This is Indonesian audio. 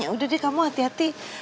ya udah deh kamu hati hati